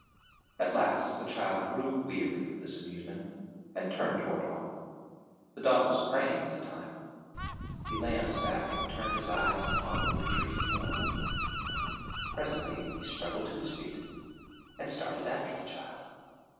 At last the child grew weary of this amusement and turned toward home. The dog was praying at the time. He lay on his back and turned his eyes upon the retreating form. Presently he struggled to his feet and started after the child.